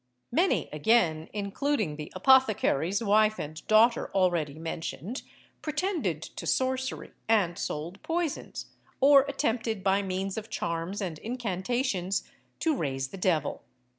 Many again, including the apothecary's wife and daughter already mentioned, pretended to sorcery, and sold poisons, or attempted by means of charms and incantations to raise the devil.